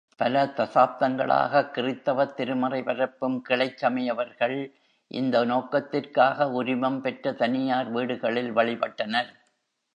பல தசாப்தங்களாக கிறித்தவத் திருமறை பரப்பும் கிளைச்சமயவர்கள் இந்த நோக்கத்திற்காக உரிமம் பெற்ற தனியார் வீடுகளில் வழிபட்டனர்.